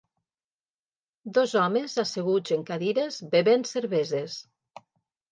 Dos homes asseguts en cadires bevent cerveses.